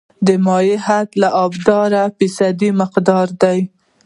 د مایع حد د ابدارۍ د فیصدي مقدار دی